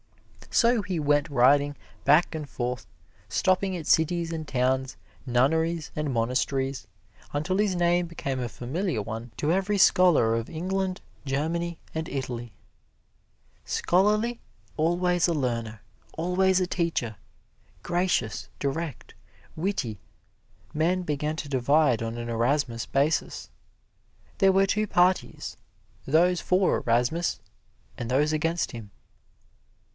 So he went riding back and forth, stopping at cities and towns, nunneries and monasteries, until his name became a familiar one to every scholar of England, Germany and Italy. Scholarly, always a learner, always a teacher, gracious, direct, witty, men began to divide on an Erasmus basis. There were two parties: those for Erasmus and those against him.